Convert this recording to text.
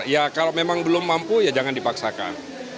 ya kalau memang belum mampu ya jangan dipaksakan